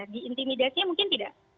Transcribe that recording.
di intimidasi mungkin tidak